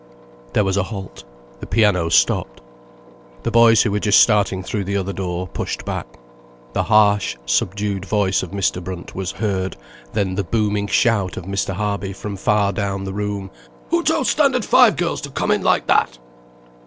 There was a halt, the piano stopped. The boys who were just starting through the other door, pushed back. The harsh, subdued voice of Mr. Brunt was heard, then the booming shout of Mr. Harby, from far down the room: "Who told Standard Five girls to come in like that?"